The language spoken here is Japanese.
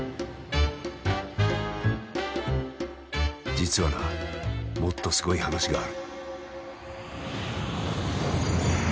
実はなもっとすごい話がある。